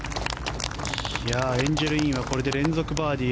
エンジェル・インは連続バーディー。